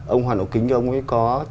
ông hoàng đạo kính ông ấy có